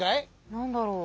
何だろう。